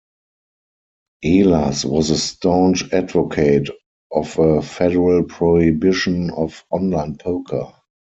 Ehlers was a staunch advocate of a federal prohibition of online poker.